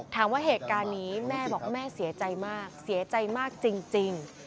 ถามว่าเหตุการณ์นี้แม่บอกแม่เสียใจมากเสียใจมากจริง